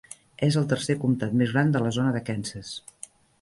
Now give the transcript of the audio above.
És el tercer comptat més gran de la zona de Kansas.